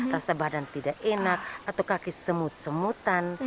rasa badan tidak enak atau kaki semut semutan